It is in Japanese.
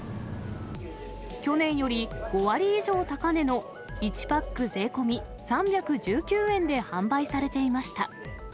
去年より５割以上高値の、１パック税込み３１９円で販売されていました。